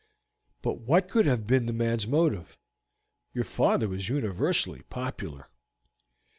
"But what could have been the man's motive? Your father was universally popular."